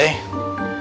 ya kasih tau boy